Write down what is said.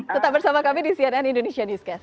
tetap bersama kami di cnn indonesia newscast